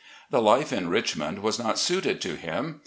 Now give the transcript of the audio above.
The life in Richmond was not suited to him.